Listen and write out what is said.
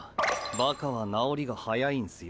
バカは治りが早いんすよ。